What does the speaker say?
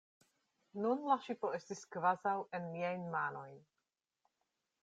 Nun la ŝipo estis kvazaŭ en miajn manojn.